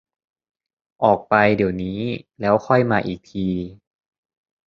ออกไปเดี๋ยวนี้แล้วค่อยมาอีกที